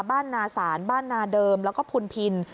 บ้านนาศาสน์บ้านนาเดิมแล้วก็พุนพิน